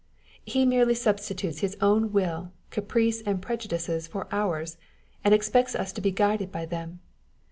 He merely substitutes his own will, caprice, and prejudices for ours, and expects us to be guided by them.